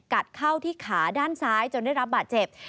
เข้าที่ขาด้านซ้ายจนได้รับบาดเจ็บ